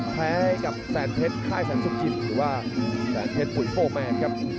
ให้กับแสนเพชรค่ายแสนสุขจิตหรือว่าแสนเพชรปุ๋ยโฟร์แมนครับ